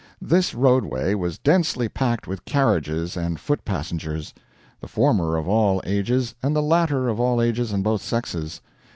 This roadway was densely packed with carriages and foot passengers; the former of all ages, and the latter of all ages and both sexes.